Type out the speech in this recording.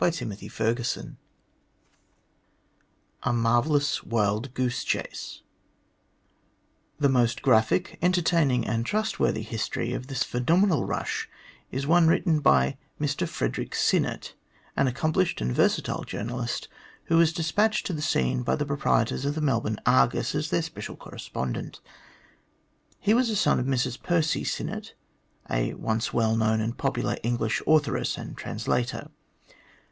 '" CHAPTEK X A MARVELLOUS WILD GOOSE CHASE THE most graphic, entertaining, and trustworthy history of this phenomenal rush is the one written by Mr Frederick Sinnett, an accomplished and versatile journalist, who was despatched to the scene by the proprietors of the Melbourne Argus as their special correspondent. He was a son of Mrs Percy Sinnett, a once well known and popular English authoress and translator.